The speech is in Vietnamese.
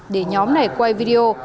để nhóm này quay video